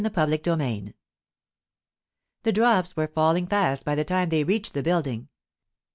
CHAPTER XIII THE drops were falling fast by the time they reached the building.